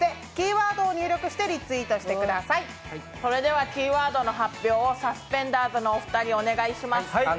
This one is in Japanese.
それではキーワードの発表をサスペンダーズのお二人、お願いします。